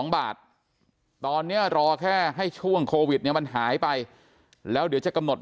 บาทตอนนี้รอแค่ให้ช่วงโควิดเนี่ยมันหายไปแล้วเดี๋ยวจะกำหนด